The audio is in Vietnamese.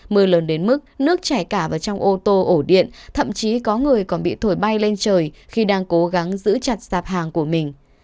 mưa lớn đến mức nước chảy cả vào trong ô tô ổ điện thậm chí có người còn bị thổi bay lên trời khi đang cố gắng giữ chặt hàng của mình